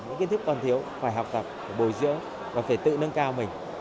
những kiến thức còn thiếu phải học tập phải bồi dưỡng và phải tự nâng cao mình